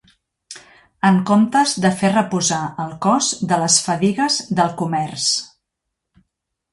En comptes de fer reposar el cos de les fadigues del comerç